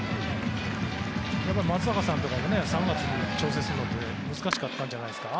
松坂さんとかも３月に調整するの難しかったんじゃないですか？